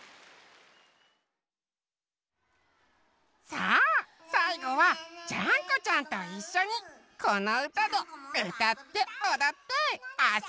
さあさいごはジャンコちゃんといっしょにこのうたをうたっておどってあそんじゃおう！